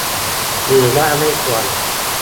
หรือว่าไม่ควร